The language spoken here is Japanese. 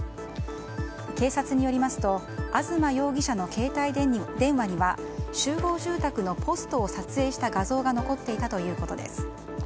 警察によりますと東容疑者の携帯電話には集合住宅のポストを撮影した画像が残っていたということです。